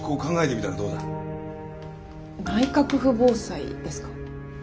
内閣府防災ですか？